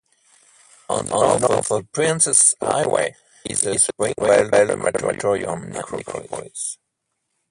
On the north of the Princes Highway is the Springvale Crematorium and Necropolis.